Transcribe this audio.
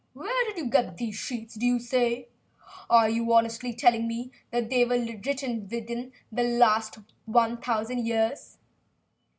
Where did you get these sheets, do you say? Are you honestly telling me that they were written within the last thousand years?"